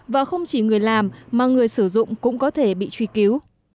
và không chỉ người làm mà người sử dụng cũng có thể bị truy cứu